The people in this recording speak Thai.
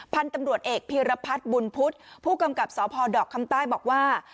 พันธุ์ตำรวจเอกพีรพัฒน์บุญพุทธผู้กำกับสพดอกคำใต้บอกว่า